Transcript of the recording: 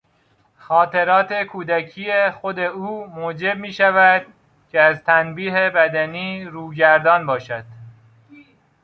خاطرات کودکی خود او موجب میشود که از تنبیه بدنی روگردان باشد.